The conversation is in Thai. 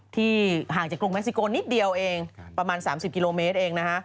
ห่างจากกรุงเม็กซิโกนิดเดียวเองประมาณ๓๐กิโลเมตรเองนะฮะ